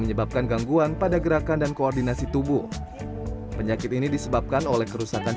menyebabkan gangguan pada gerakan dan koordinasi tubuh penyakit ini disebabkan oleh kerusakan